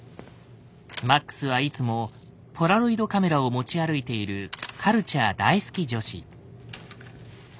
マックスはいつもポラロイドカメラを持ち歩いているカルチャー大好き女子。